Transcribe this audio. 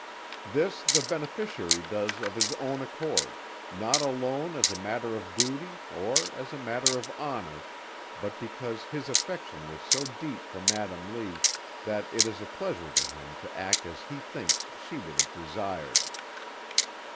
"This the beneficiary does of his own accord, not alone as a matter of duty or as a matter of honor, but because his affection was so deep for Madam Lee that it is a pleasure to him to act as he thinks she would have desired.